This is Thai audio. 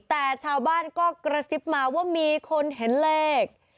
แต่ชาวบ้านก็กระซิบมาว่ามีคนเห็นเลข